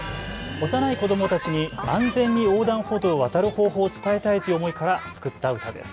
幼い子どもたちに安全に横断歩道を渡る方法を伝えたいという思いから作った歌です。